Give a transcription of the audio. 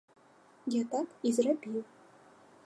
Я так і зрабіў.